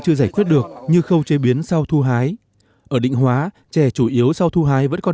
chưa giải quyết được như khâu chế biến sau thu hái ở định hóa chè chủ yếu sau thu hái vẫn còn